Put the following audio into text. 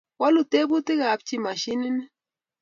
Walu tebutik ap chi machinit ni.